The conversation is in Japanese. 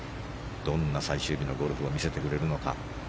どんな最終日のゴルフを見せてくれるのか。